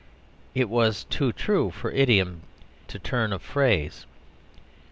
It was too true for idiom or turn of phrase.